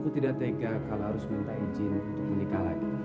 aku tidak tega kalau harus minta izin untuk menikah lagi